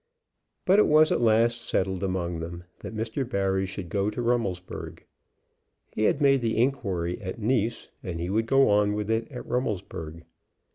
But it was at last settled among them that Mr. Barry should go to Rummelsburg. He had made the inquiry at Nice, and he would go on with it at Rummelsburg.